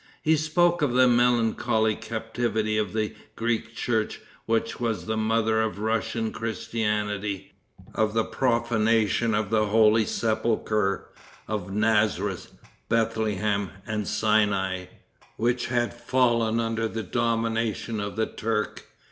He spoke of the melancholy captivity of the Greek church, which was the mother of Russian Christianity; of the profanation of the holy sepulcher; of Nazareth, Bethlehem and Sinai, which had fallen under the domination of the Turk.